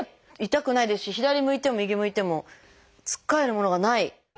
痛くないですし左向いても右向いてもつっかえるものがない。